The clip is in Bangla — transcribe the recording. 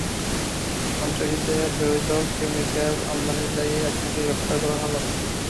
সন্ত্রাসীদের ব্যবহৃত কেমিকেল আমদানির দায়ে আপনাকে গ্রেফতার করা হলো!